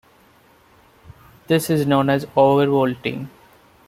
This is known as overvolting.